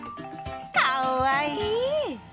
かっわいい！